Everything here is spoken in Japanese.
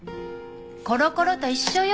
コロコロと一緒よ！